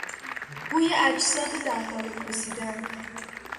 بوی اجساد در حال پوسیدن